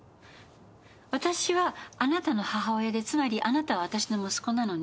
私はあなたの母親でつまりあなたは私の息子なのね。